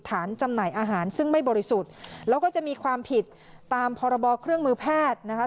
จำหน่ายอาหารซึ่งไม่บริสุทธิ์แล้วก็จะมีความผิดตามพรบเครื่องมือแพทย์นะคะ